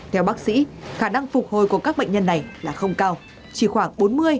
theo bác sĩ khả năng phục hồi của các bệnh nhân này là không cao chỉ khoảng bốn mươi ba mươi